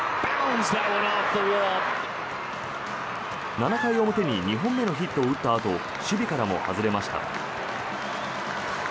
７回表に２本目のヒットを打ったあと守備からも外れました。